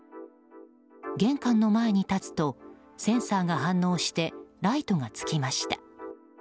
玄関の前に立つとセンサーが反応してライトがつきました。